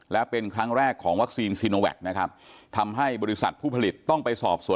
และเป็นครั้งแรกของวัคซีนซีโนแวคนะครับทำให้บริษัทผู้ผลิตต้องไปสอบสวน